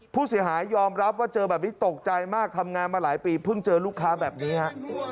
ผู้เสียหายยอมรับว่าเจอแบบนี้ตกใจมากทำงานมาหลายปีเพิ่งเจอลูกค้าแบบนี้ฮะ